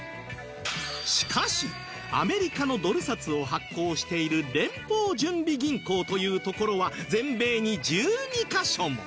しかしアメリカのドル札を発行している連邦準備銀行というところは全米に１２カ所も